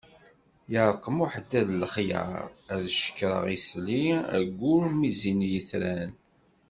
Yeṛqem uḥeddad lexyar, ad cekkreɣ isli ayyur mi zzin yetran.